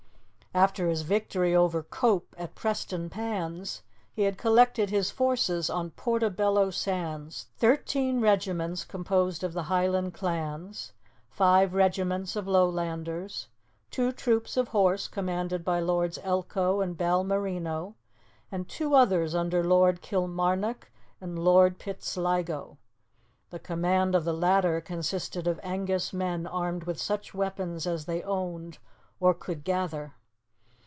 After his victory over Cope at Preston Pans, he had collected his forces on Portobello sands thirteen regiments composed of the Highland clans, five regiments of Lowlanders, two troops of horse commanded by Lords Elcho and Balmerino, with two others under Lord Kilmarnock and Lord Pitsligo. The command of the latter consisted of Angus men armed with such weapons as they owned or could gather.